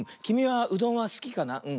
きみはうどんはすきかな？